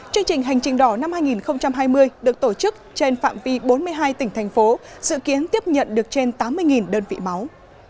chương trình hành trình đỏ năm hai nghìn hai mươi được tổ chức trên phạm vi bốn mươi hai tỉnh thành phố dự kiến tiếp nhận được trên tám mươi đơn vị máu